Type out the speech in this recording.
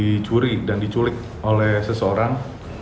di curi dan diculik oleh seseorang